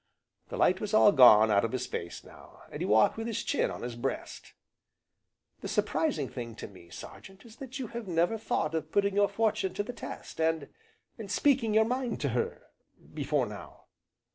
The light was all gone out of his face, now, and he walked with his chin on his breast. "The surprising thing to me, Sergeant, is that you have never thought of putting your fortune to the test, and speaking your mind to her, before now."